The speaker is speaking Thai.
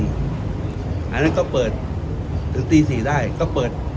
การประชุมเมื่อวานมีข้อกำชับหรือข้อพิมพ์